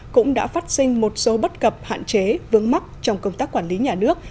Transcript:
cũng đã phát sinh một số bất cập hạn chế vướng mắc trong công tác quản lý nhà nước